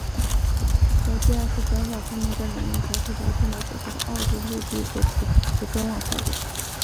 在第二次反法同盟战争中遭受重大损失的奥地利帝国起初持观望态度。